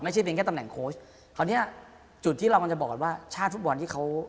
ไม่ใช่เป็นแค่ตำแหน่งโค้ชคราวเนี้ยจุดที่เรากำลังจะบอกว่าชาติฟุตบอลที่เขา